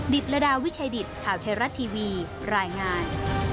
ดิดละดาวิชัยดิดถ่าวเทราะต์ทีวีรายงาน